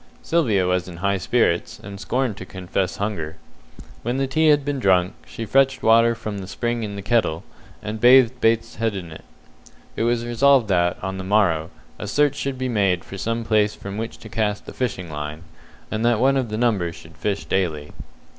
Sylvia was in high spirits, and scorned to confess hunger. When the tea had been drunk, she fetched water from the spring in the kettle, and bathed Bates's head with it. It was resolved that, on the morrow, a search should be made for some place from which to cast the fishing line, and that one of the number should fish daily.